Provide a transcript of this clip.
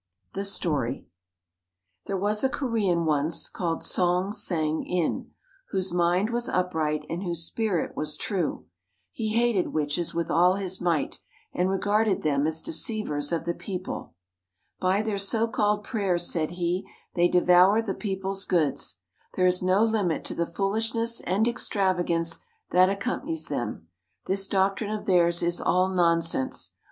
] The Story There was a Korean once, called Song Sang in, whose mind was upright and whose spirit was true. He hated witches with all his might, and regarded them as deceivers of the people. "By their so called prayers," said he, "they devour the people's goods. There is no limit to the foolishness and extravagance that accompanies them. This doctrine of theirs is all nonsense.